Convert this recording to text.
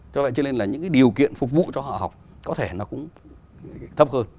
cho nên là những điều kiện phục vụ cho họ học có thể nó cũng thấp hơn